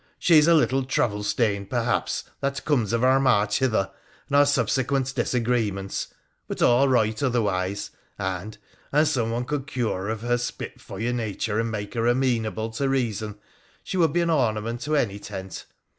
She ia a little travel stained, perhaps— that comes of our march hUher, and our subsequent disagreements—but all right 175 WONDERFUL ADVENTURES OF otherwise, and, an someone could cure her of her spitfire nature and make her amenable to reason, she would be an ornament to any tent.